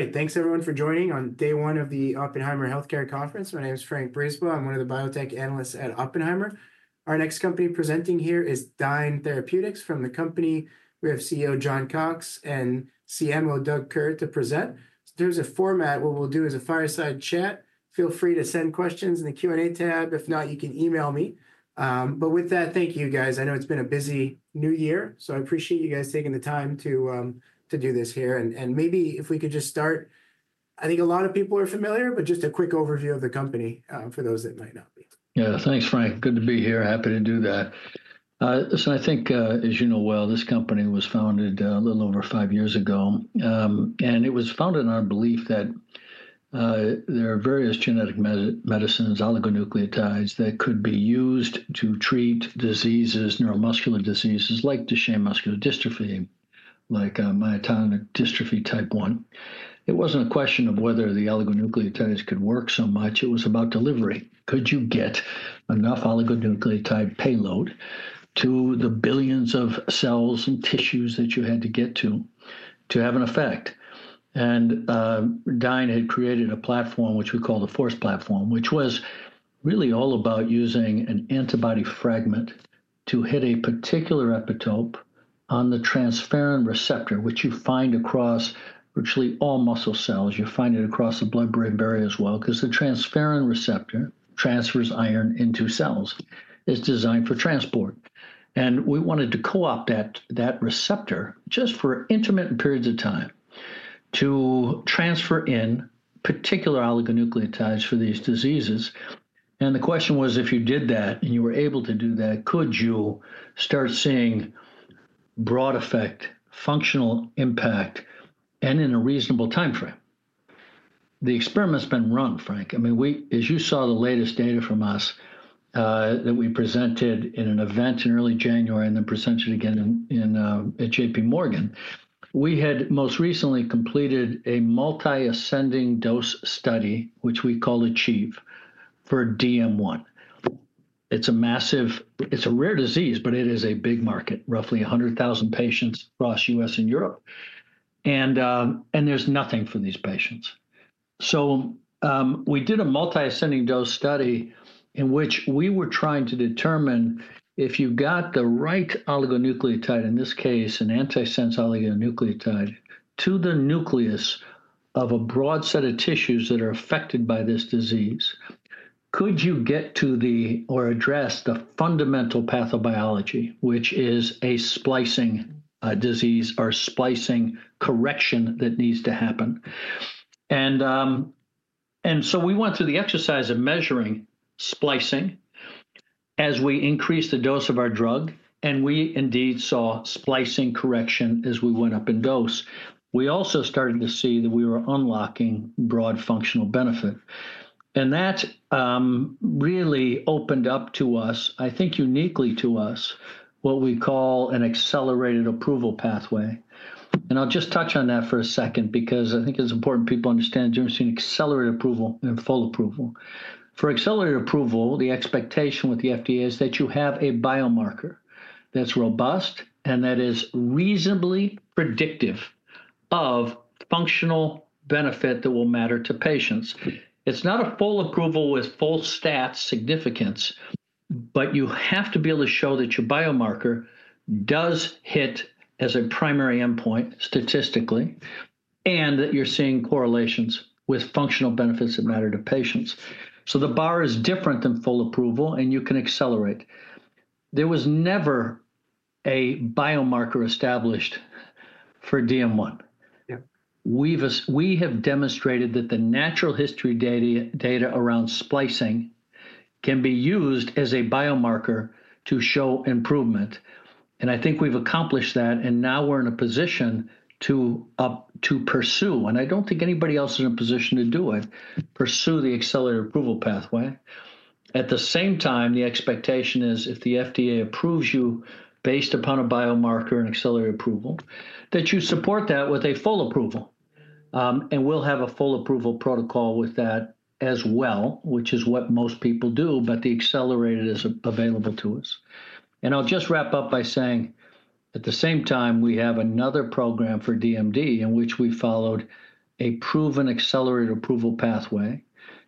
All right, thanks everyone for joining on day one of the Oppenheimer Healthcare Conference. My name is Frank Brisbois. I'm one of the biotech analysts at Oppenheimer. Our next company presenting here is Dyne Therapeutics from the company. We have CEO John Cox and CMO Doug Kerr to present. In terms of format, what we'll do is a fireside chat. Feel free to send questions in the Q&A tab. If not, you can email me but with that, thank you, guys. I know it's been a busy new year, so I appreciate you guys taking the time to do this here and maybe if we could just start, I think a lot of people are familiar, but just a quick overview of the company for those that might not be. Yeah, thanks, Frank. Good to be here. Happy to do that. So I think, as you know well, this company was founded a little over five years ago. And it was founded on a belief that there are various genetic medicines, oligonucleotides, that could be used to treat diseases, neuromuscular diseases like Duchenne muscular dystrophy, like myotonic dystrophy type 1. It wasn't a question of whether the oligonucleotides could work so much. It was about delivery. Could you get enough oligonucleotide payload to the billions of cells and tissues that you had to get to to have an effect? And Dyne had created a platform, which we call the FORCE platform, which was really all about using an antibody fragment to hit a particular epitope on the transferrin receptor, which you find across virtually all muscle cells. You find it across the blood-brain barrier as well, because the transferrin receptor transfers iron into cells. It's designed for transport. And we wanted to co-opt that receptor just for intermittent periods of time to transfer in particular oligonucleotides for these diseases. And the question was, if you did that and you were able to do that, could you start seeing broad effect, functional impact, and in a reasonable timeframe? The experiment's been run, Frank. I mean, as you saw the latest data from us that we presented in an event in early January and then presented again at JPMorgan, we had most recently completed a multi ascending dose study, which we call ACHIEVE for DM1. It's a massive, it's a rare disease, but it is a big market, roughly 100,000 patients across the U.S. and Europe. And there's nothing for these patients. So we did a multi ascending dose study in which we were trying to determine if you got the right oligonucleotide, in this case, an antisense oligonucleotide, to the nucleus of a broad set of tissues that are affected by this disease. Could you get to the or address the fundamental pathobiology, which is a splicing disease or splicing correction that needs to happen? And so we went through the exercise of measuring splicing as we increased the dose of our drug, and we indeed saw splicing correction as we went up in dose. We also started to see that we were unlocking broad functional benefit. And that really opened up to us, I think uniquely to us, what we call an accelerated approval pathway. And I'll just touch on that for a second, because I think it's important people understand that you're seeing accelerated approval and full approval. For accelerated approval, the expectation with the FDA is that you have a biomarker that's robust and that is reasonably predictive of functional benefit that will matter to patients. It's not a full approval with full stat significance, but you have to be able to show that your biomarker does hit as a primary endpoint statistically and that you're seeing correlations with functional benefits that matter to patients. So the bar is different than full approval, and you can accelerate. There was never a biomarker established for DM1. We have demonstrated that the natural history data around splicing can be used as a biomarker to show improvement. And I think we've accomplished that, and now we're in a position to pursue, and I don't think anybody else is in a position to do it, pursue the accelerated approval pathway. At the same time, the expectation is if the FDA approves you based upon a biomarker and accelerated approval, that you support that with a full approval. And we'll have a full approval protocol with that as well, which is what most people do, but the accelerated is available to us. And I'll just wrap up by saying at the same time, we have another program for DMD in which we followed a proven accelerated approval pathway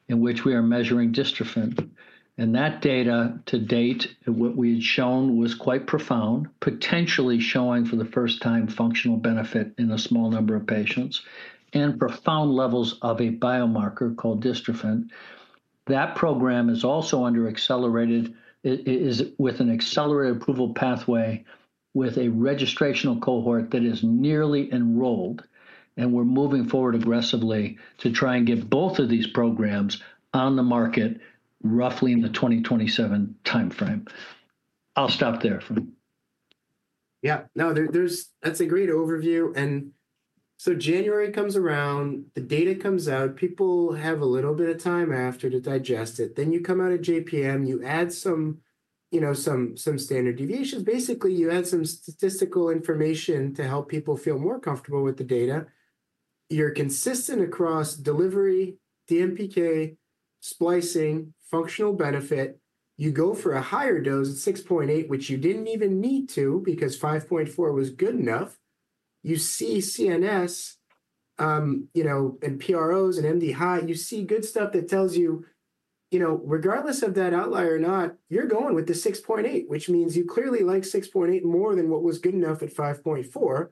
in which we are measuring dystrophin. And that data to date, what we had shown was quite profound, potentially showing for the first time functional benefit in a small number of patients and profound levels of a biomarker called dystrophin. That program is also under an accelerated approval pathway with a registrational cohort that is nearly enrolled, and we're moving forward aggressively to try and get both of these programs on the market roughly in the 2027 timeframe. I'll stop there. Yeah, no, that's a great overview. And so January comes around, the data comes out, people have a little bit of time after to digest it. Then you come out of JPM, you add some standard deviations. Basically, you add some statistical information to help people feel more comfortable with the data. You're consistent across delivery, DMPK, splicing, functional benefit. You go for a higher dose at 6.8, which you didn't even need to because 5.4 was good enough. You see CNS and PROs and MDHI, you see good stuff that tells you, regardless of that outlier or not, you're going with the 6.8, which means you clearly like 6.8 more than what was good enough at 5.4.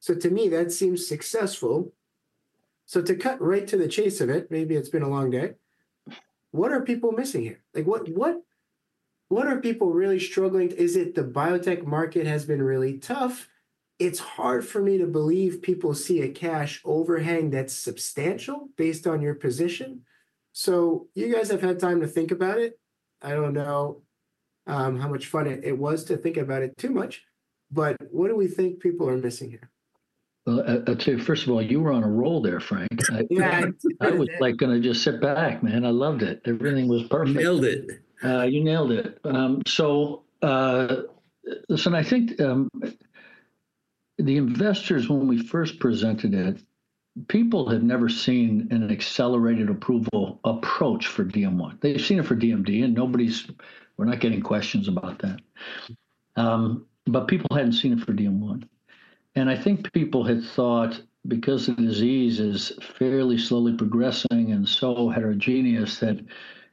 So to me, that seems successful. So to cut right to the chase of it, maybe it's been a long day, what are people missing here? What are people really struggling? Is it the biotech market has been really tough? It's hard for me to believe people see a cash overhang that's substantial based on your position. So you guys have had time to think about it. I don't know how much fun it was to think about it too much, but what do we think people are missing here? Well, first of all, you were on a roll there, Frank. I was going to just sit back, man. I loved it. Everything was perfect. You nailed it. You nailed it. So listen, I think the investors, when we first presented it, people had never seen an accelerated approval approach for DM1. They've seen it for DMD, and we're not getting questions about that. But people hadn't seen it for DM1. And I think people had thought because the disease is fairly slowly progressing and so heterogeneous that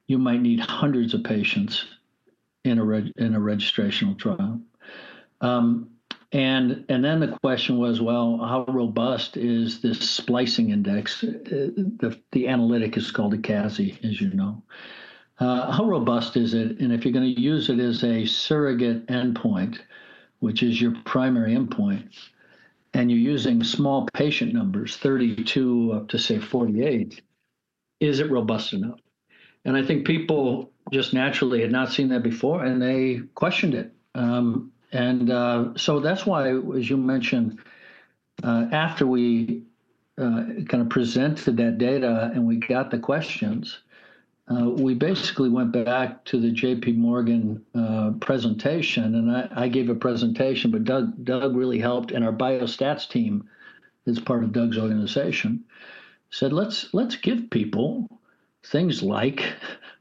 you might need hundreds of patients in a registrational trial. And then the question was, well, how robust is this splicing index? The analyte is called a CASI, as you know. How robust is it? And if you're going to use it as a surrogate endpoint, which is your primary endpoint, and you're using small patient numbers, 32 up to say 48, is it robust enough? And I think people just naturally had not seen that before, and they questioned it. And so that's why, as you mentioned, after we kind of presented that data and we got the questions, we basically went back to the JPMorgan presentation. And I gave a presentation, but Doug really helped. And our biostats team is part of Doug's organization said, let's give people things like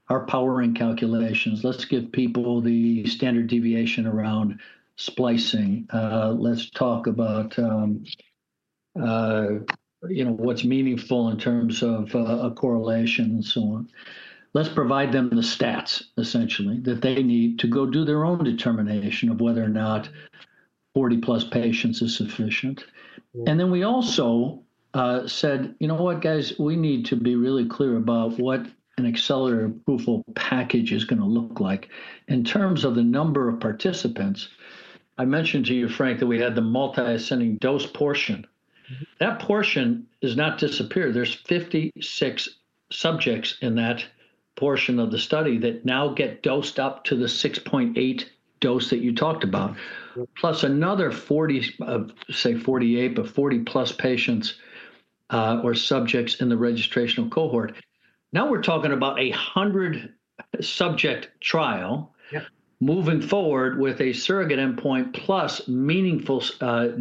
our power and calculations. Let's give people the standard deviation around splicing. Let's talk about what's meaningful in terms of correlation and so on. Let's provide them the stats, essentially, that they need to go do their own determination of whether or not 40 plus patients is sufficient. And then we also said, you know what, guys, we need to be really clear about what an accelerated approval package is going to look like in terms of the number of participants. I mentioned to you, Frank, that we had the multi ascending dose portion. That portion does not disappear. There's 56 subjects in that portion of the study that now get dosed up to the 6.8 dose that you talked about, plus another 40, say 48, but 40 plus patients or subjects in the registrational cohort. Now we're talking about a 100-subject trial moving forward with a surrogate endpoint plus meaningful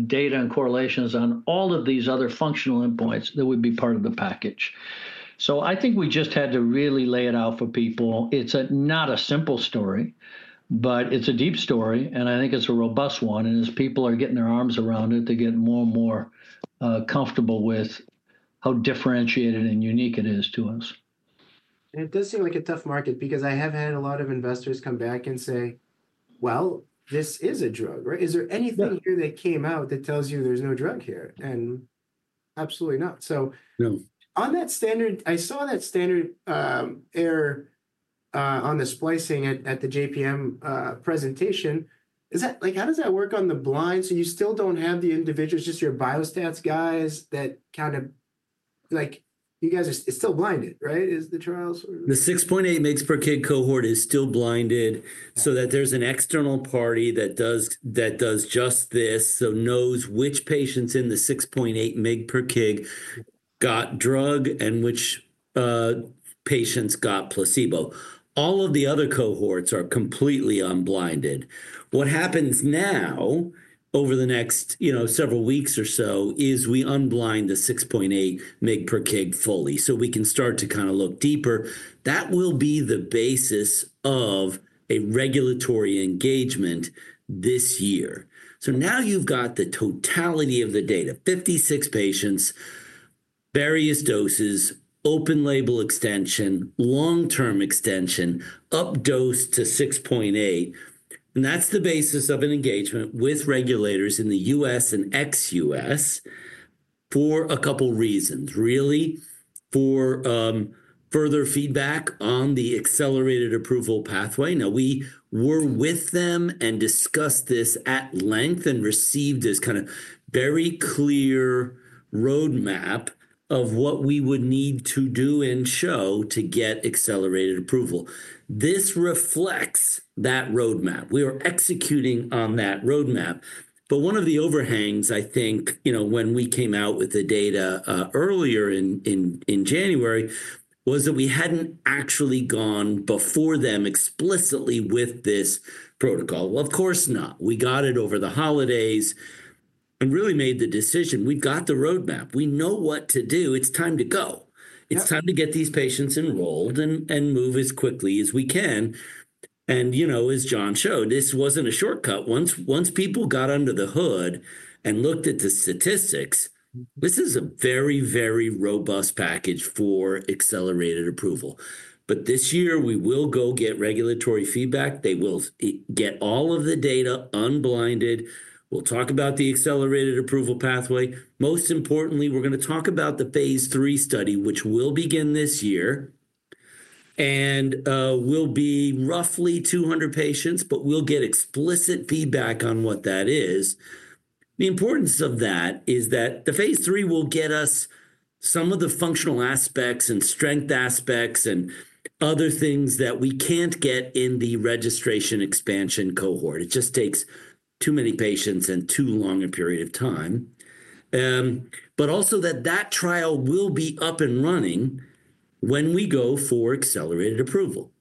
data and correlations on all of these other functional endpoints that would be part of the package. So I think we just had to really lay it out for people. It's not a simple story, but it's a deep story. And I think it's a robust one. And as people are getting their arms around it, they get more and more comfortable with how differentiated and unique it is to us. It does seem like a tough market because I have had a lot of investors come back and say, well, this is a drug, right? Is there anything here that came out that tells you there's no drug here? And absolutely not. So on that standard, I saw that standard error on the splicing at the JPM presentation. How does that work on the blind? So you still don't have the individuals, just your biostats guys that kind of like you guys are still blinded, right? Is the trial sort of. The 6.8 mg/kg cohort is still blinded so that there's an external party that does just this, so knows which patients in the 6.8 mg/kg got drug and which patients got placebo. All of the other cohorts are completely unblinded. What happens now over the next several weeks or so is we unblind the 6.8 mg/kg fully so we can start to kind of look deeper. That will be the basis of a regulatory engagement this year. So now you've got the totality of the data, 56 patients, various doses, open-label extension, long-term extension, up dose to 6.8. And that's the basis of an engagement with regulators in the U.S. and ex-U.S. for a couple of reasons, really, for further feedback on the accelerated approval pathway. Now, we were with them and discussed this at length and received this kind of very clear roadmap of what we would need to do and show to get accelerated approval. This reflects that roadmap. We are executing on that roadmap. But one of the overhangs, I think, when we came out with the data earlier in January was that we hadn't actually gone before them explicitly with this protocol. Well, of course not. We got it over the holidays and really made the decision. We've got the roadmap. We know what to do. It's time to go. It's time to get these patients enrolled and move as quickly as we can. And as John showed, this wasn't a shortcut. Once people got under the hood and looked at the statistics, this is a very, very robust package for accelerated approval. But this year, we will go get regulatory feedback. They will get all of the data unblinded. We'll talk about the accelerated approval pathway. Most importantly, we're going to talk about the phase III study, which will begin this year and will be roughly 200 patients, but we'll get explicit feedback on what that is. The importance of that is that the phase III will get us some of the functional aspects and strength aspects and other things that we can't get in the registration expansion cohort. It just takes too many patients and too long a period of time. But also that that trial will be up and running when we go for accelerated approval.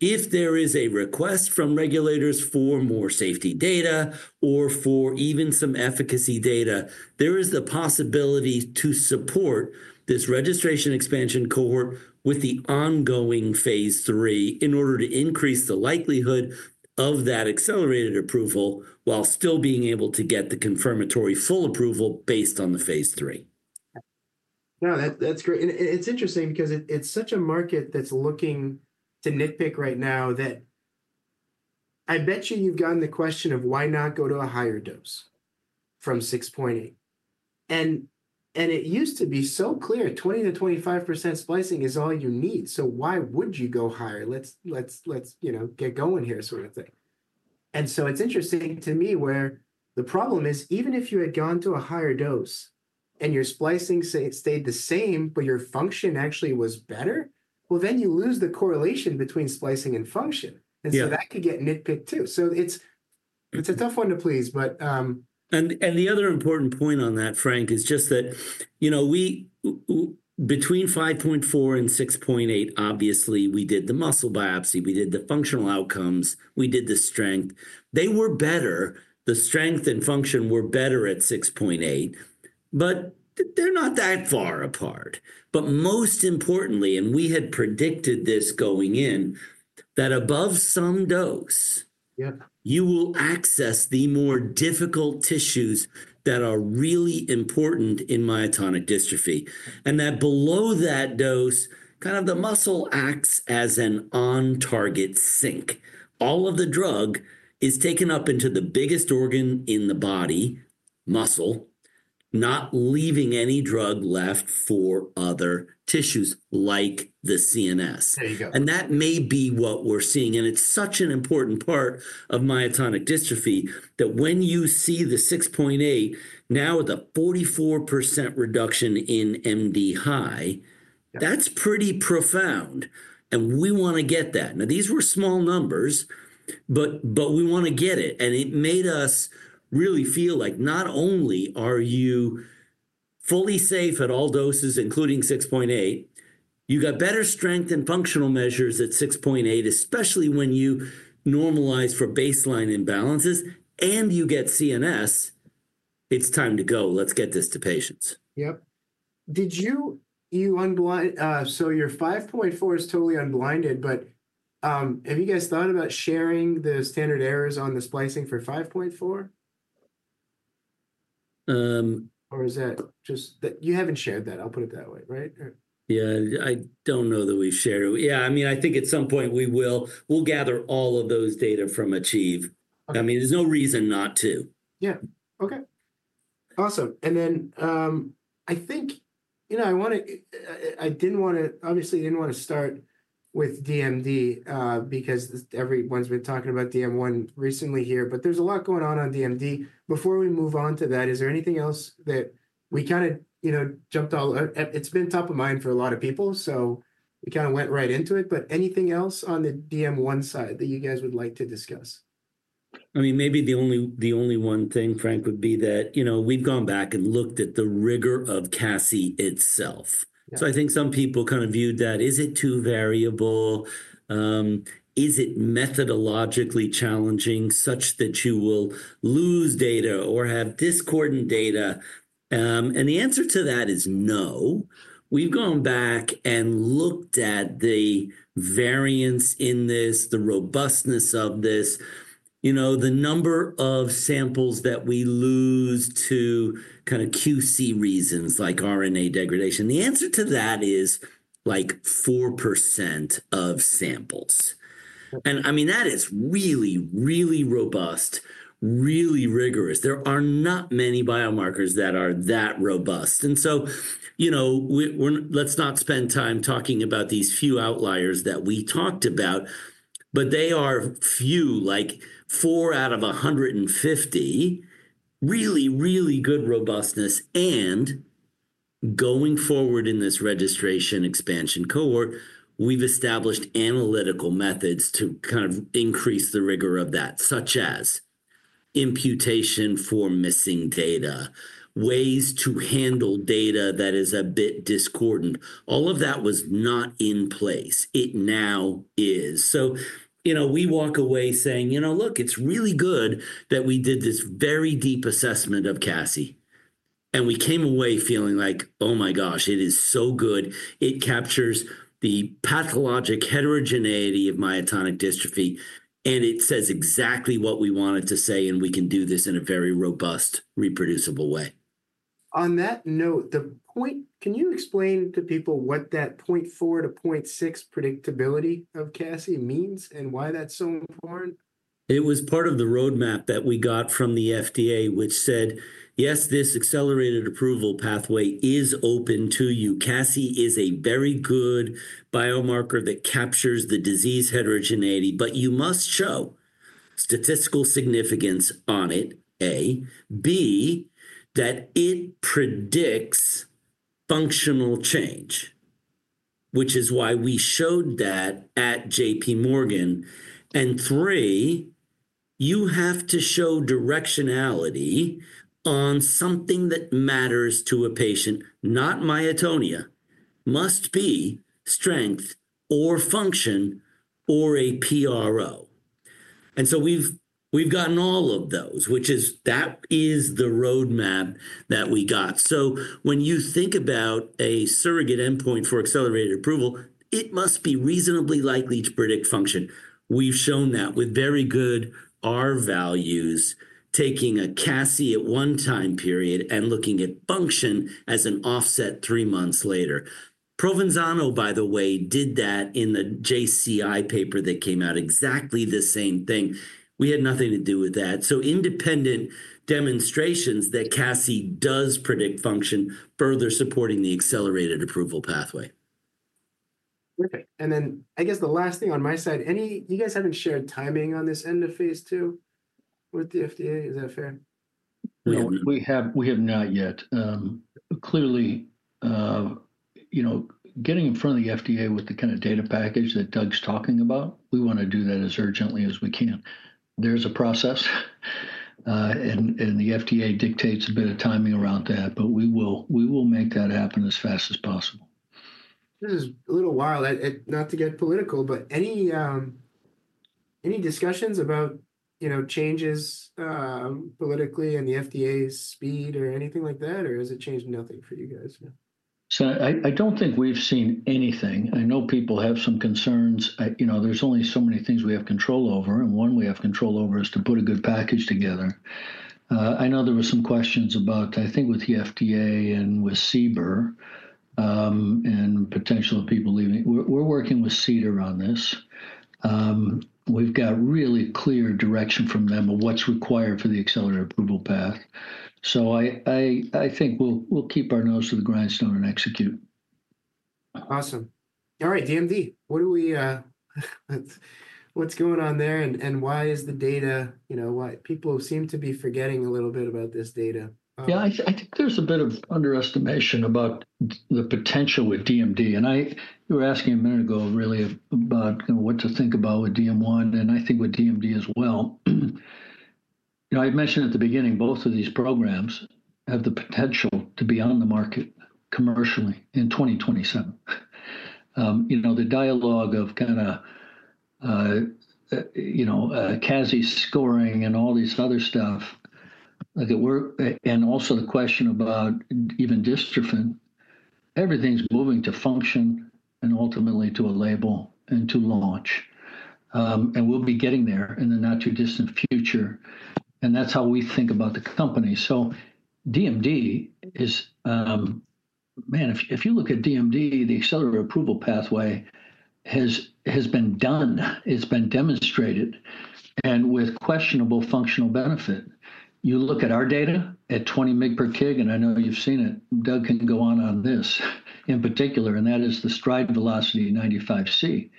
If there is a request from regulators for more safety data or for even some efficacy data, there is the possibility to support this registration expansion cohort with the ongoing phaseIII in order to increase the likelihood of that accelerated approval while still being able to get the confirmatory full approval based on the phase III. No, that's great. And it's interesting because it's such a market that's looking to nitpick right now that I bet you you've gotten the question of why not go to a higher dose from 6.8. And it used to be so clear, 20%-25% splicing is all you need. So why would you go higher? Let's get going here, sort of thing. And so it's interesting to me where the problem is even if you had gone to a higher dose and your splicing stayed the same, but your function actually was better. Well, then you lose the correlation between splicing and function. And so that could get nitpicked too. So it's a tough one to please, but. And the other important point on that, Frank, is just that between 5.4 and 6.8, obviously, we did the muscle biopsy. We did the functional outcomes. We did the strength. They were better. The strength and function were better at 6.8, but they're not that far apart. But most importantly, and we had predicted this going in, that above some dose, you will access the more difficult tissues that are really important in myotonic dystrophy. And that below that dose, kind of the muscle acts as an on-target sink. All of the drug is taken up into the biggest organ in the body, muscle, not leaving any drug left for other tissues like the CNS. And that may be what we're seeing. And it's such an important part of myotonic dystrophy that when you see the 6.8, now with a 44% reduction in MDHI, that's pretty profound. We want to get that. Now, these were small numbers, but we want to get it. It made us really feel like not only are you fully safe at all doses, including 6.8, you got better strength and functional measures at 6.8, especially when you normalize for baseline imbalances, and you get CNS. It's time to go. Let's get this to patients. Yep. Did you unblind? So your 5.4 is totally unblinded, but have you guys thought about sharing the standard errors on the splicing for 5.4? Or is that just that you haven't shared that? I'll put it that way, right? Yeah, I don't know that we've shared it. Yeah, I mean, I think at some point we will. We'll gather all of those data from ACHIEVE. I mean, there's no reason not to. Yeah. Okay. Awesome. And then I think I want to, obviously, I didn't want to start with DMD because everyone's been talking about DM1 recently here, but there's a lot going on on DMD. Before we move on to that, is there anything else that we kind of jumped over? It's been top of mind for a lot of people, so we kind of went right into it, but anything else on the DM1 side that you guys would like to discuss? I mean, maybe the only one thing, Frank, would be that we've gone back and looked at the rigor of CASI itself, so I think some people kind of viewed that. Is it too variable? Is it methodologically challenging such that you will lose data or have discordant data, and the answer to that is no. We've gone back and looked at the variance in this, the robustness of this, the number of samples that we lose to kind of QC reasons like RNA degradation. The answer to that is like 4% of samples, and I mean, that is really, really robust, really rigorous. There are not many biomarkers that are that robust, and so let's not spend time talking about these few outliers that we talked about, but they are few, like four out of 150, really, really good robustness. Going forward in this registration expansion cohort, we've established analytical methods to kind of increase the rigor of that, such as imputation for missing data, ways to handle data that is a bit discordant. All of that was not in place. It now is. So we walk away saying, you know, look, it's really good that we did this very deep assessment of CASI. We came away feeling like, oh my gosh, it is so good. It captures the pathologic heterogeneity of myotonic dystrophy, and it says exactly what we wanted to say, and we can do this in a very robust, reproducible way. On that note, can you explain to people what that 0.4 to 0.6 predictability of CASI means and why that's so important? It was part of the roadmap that we got from the FDA, which said, yes, this accelerated approval pathway is open to you. CASI is a very good biomarker that captures the disease heterogeneity, but you must show statistical significance on it, A, B, that it predicts functional change, which is why we showed that at JPMorgan, and three, you have to show directionality on something that matters to a patient, not myotonia, must be strength or function or a PRO, and so we've gotten all of those, which is, that is, the roadmap that we got, so when you think about a surrogate endpoint for accelerated approval, it must be reasonably likely to predict function. We've shown that with very good R-values, taking a CASI at one time period and looking at function as an offset three months later. Provenzano, by the way, did that in the JCI paper that came out exactly the same thing. We had nothing to do with that. So independent demonstrations that CASI does predict function further supporting the accelerated approval pathway. Perfect, and then I guess the last thing on my side, you guys haven't shared timing on this end-of-phase II with the FDA. Is that fair? We have not yet. Clearly, getting in front of the FDA with the kind of data package that Doug's talking about, we want to do that as urgently as we can. There's a process, and the FDA dictates a bit of timing around that, but we will make that happen as fast as possible. This is a little wild, not to get political, but any discussions about changes politically and the FDA's speed or anything like that, or has it changed nothing for you guys? So I don't think we've seen anything. I know people have some concerns. There's only so many things we have control over. And one we have control over is to put a good package together. I know there were some questions about, I think, with the FDA and with CBER and potential of people leaving. We're working with CDER on this. We've got really clear direction from them of what's required for the accelerated approval path. So I think we'll keep our nose to the grindstone and execute. Awesome. All right, DMD, what's going on there and why is the data? Why people seem to be forgetting a little bit about this data? Yeah, I think there's a bit of underestimation about the potential with DMD. And you were asking a minute ago, really, about what to think about with DM1, and I think with DMD as well. I mentioned at the beginning, both of these programs have the potential to be on the market commercially in 2027. The dialogue of kind of CASI scoring and all this other stuff, and also the question about even dystrophin, everything's moving to function and ultimately to a label and to launch. And we'll be getting there in the not-too-distant future. And that's how we think about the company. So DMD is, man, if you look at DMD, the accelerated approval pathway has been done. It's been demonstrated and with questionable functional benefit. You look at our data at 20 mg/kg, and I know you've seen it. Doug can go on this in particular, and that is the Stride Velocity 95th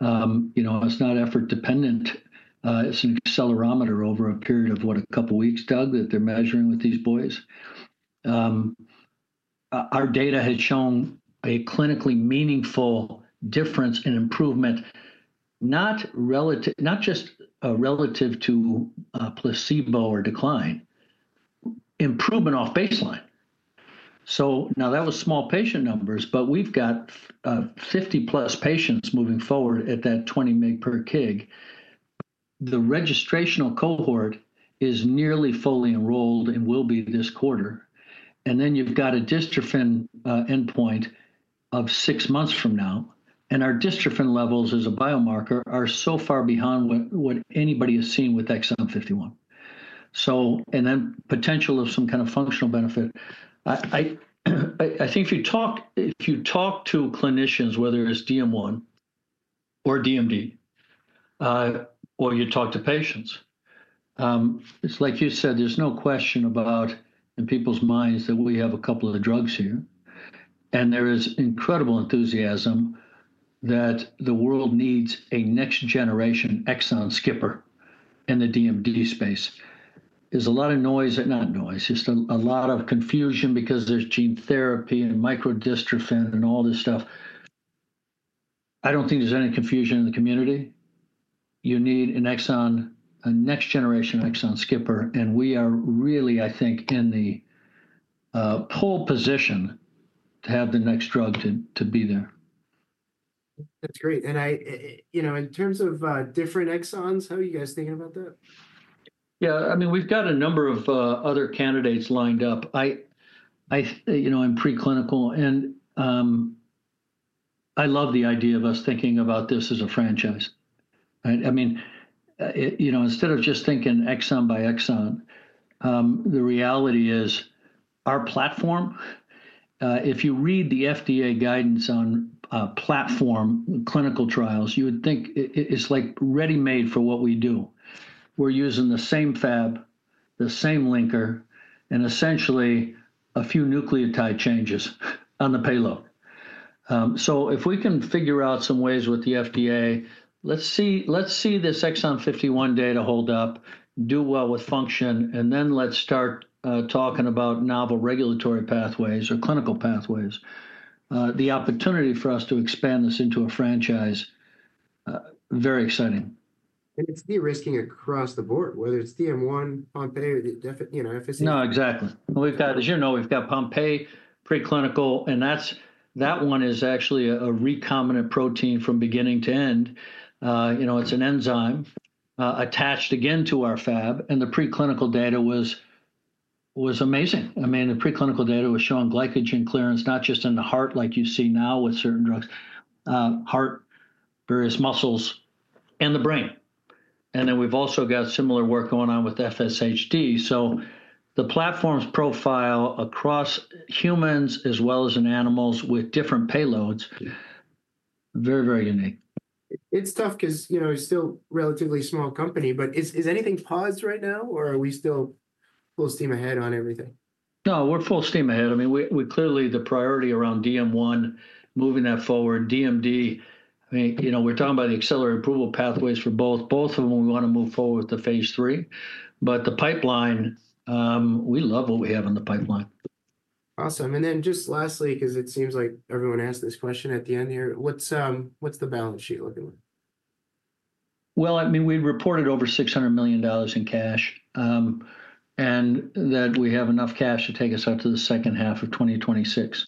Centile. It's not effort-dependent. It's an accelerometer over a period of, what, a couple of weeks, Doug, that they're measuring with these boys. Our data had shown a clinically meaningful difference in improvement, not just relative to placebo or decline, improvement off baseline, so now that was small patient numbers, but we've got 50-plus patients moving forward at that 20 mg/kg. The registrational cohort is nearly fully enrolled and will be this quarter, and then you've got a dystrophin endpoint of six months from now, and our dystrophin levels as a biomarker are so far behind what anybody has seen with exon 51, and then potential of some kind of functional benefit. I think if you talk to clinicians, whether it's DM1 or DMD, or you talk to patients, it's like you said, there's no question about in people's minds that we have a couple of drugs here. And there is incredible enthusiasm that the world needs a next-generation exon skipper in the DMD space. There's a lot of noise, not noise, just a lot of confusion because there's gene therapy and microdystrophin and all this stuff. I don't think there's any confusion in the community. You need an exon, a next-generation exon skipper, and we are really, I think, in the pole position to have the next drug to be there. That's great. And in terms of different exons, how are you guys thinking about that? Yeah, I mean, we've got a number of other candidates lined up. I'm preclinical, and I love the idea of us thinking about this as a franchise. I mean, instead of just thinking exon by exon, the reality is our platform, if you read the FDA guidance on platform clinical trials, you would think it's like ready-made for what we do. We're using the same Fab, the same linker, and essentially a few nucleotide changes on the payload. So if we can figure out some ways with the FDA, let's see this exon 51 data hold up, do well with function, and then let's start talking about novel regulatory pathways or clinical pathways. The opportunity for us to expand this into a franchise, very exciting. And it's de-risking across the board, whether it's DM1, Pompe, or the FSHD. No, exactly. As you know, we've got Pompe, preclinical, and that one is actually a recombinant protein from beginning to end. It's an enzyme attached again to our Fab, and the preclinical data was amazing. I mean, the preclinical data was showing glycogen clearance, not just in the heart like you see now with certain drugs, heart, various muscles, and the brain. And then we've also got similar work going on with FSHD. So the platform's profile across humans as well as in animals with different payloads, very, very unique. It's tough because it's still a relatively small company, but is anything paused right now, or are we still full steam ahead on everything? No, we're full steam ahead. I mean, clearly, the priority around DM1, moving that forward, DMD, we're talking about the accelerated approval pathways for both. Both of them, we want to move forward with the phase III. But the pipeline, we love what we have in the pipeline. Awesome. And then just lastly, because it seems like everyone asked this question at the end here, what's the balance sheet looking like? Well, I mean, we reported over $600 million in cash and that we have enough cash to take us out to the second half of 2026,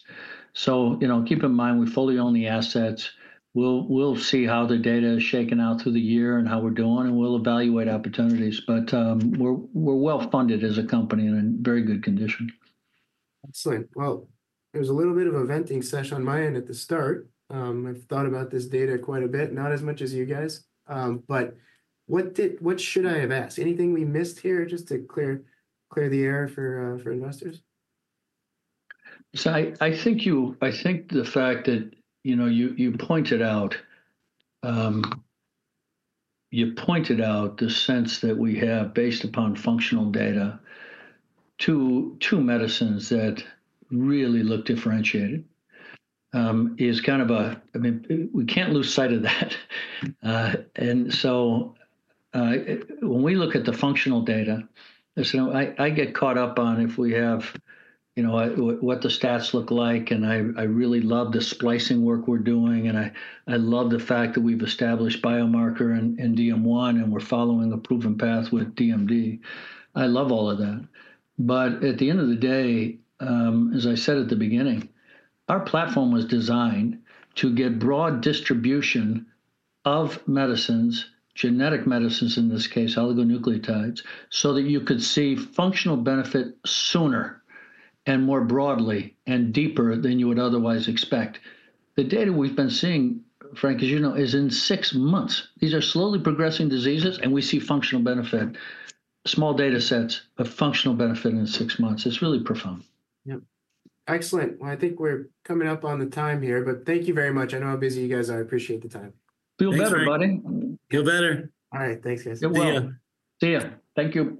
so keep in mind, we fully own the assets. We'll see how the data is shaken out through the year and how we're doing, and we'll evaluate opportunities, but we're well funded as a company in very good condition. Excellent. Well, there's a little bit of a venting session on my end at the start. I've thought about this data quite a bit, not as much as you guys. But what should I have asked? Anything we missed here just to clear the air for investors? I think the fact that you pointed out the sense that we have based upon functional data to two medicines that really look differentiated is kind of a, I mean, we can't lose sight of that. When we look at the functional data, I get caught up on if we have what the stats look like, and I really love the splicing work we're doing, and I love the fact that we've established biomarker in DM1, and we're following a proven path with DMD. I love all of that. At the end of the day, as I said at the beginning, our platform was designed to get broad distribution of medicines, genetic medicines in this case, oligonucleotides, so that you could see functional benefit sooner and more broadly and deeper than you would otherwise expect. The data we've been seeing, Frank, as you know, is in six months. These are slowly progressing diseases, and we see functional benefit, small data sets of functional benefit in six months. It's really profound. Yeah. Excellent. Well, I think we're coming up on the time here, but thank you very much. I know how busy you guys are. I appreciate the time. Feel better, buddy. Feel better. All right. Thanks, guys. See you. See you. Thank you.